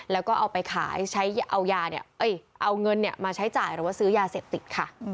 แล้วก็เอาไปขายใช้เอายาเนี่ยเอาเงินมาใช้จ่ายหรือว่าซื้อยาเสพติดค่ะ